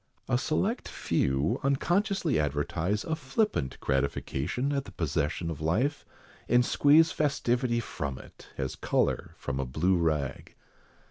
A select few, unconsciously advertise a flippant gratification at the possession of life, and squeeze festivity from it, as colour from a blue rag.